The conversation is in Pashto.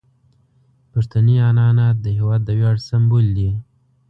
پښتني عنعنات د هیواد د ویاړ سمبول دي.